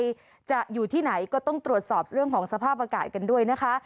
ใครจะอยู่ที่ไหนก็ต้องตรวจสอบเรื่องของสภาพอากาศกันด้วยนะคะ